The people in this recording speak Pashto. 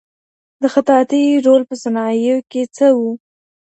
د خطاطۍ رول په صنايعو کي څه و؟